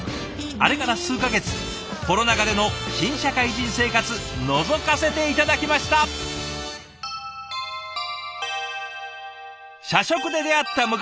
あれから数か月コロナ禍での新社会人生活のぞかせて頂きました。